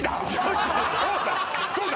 そうだ